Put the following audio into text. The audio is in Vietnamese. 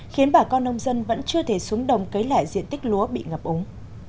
khiến bà con nông dân vẫn chưa thể xuống đồng cấy lại diện tích lúa bị ngập ống